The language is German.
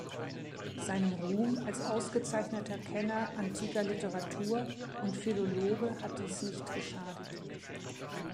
Seinem Ruhm als ausgezeichneter Kenner antiker Literatur und Philologe hat dies nicht geschadet.